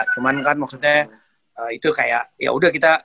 cuman kan maksudnya itu kayak yaudah kita yuk main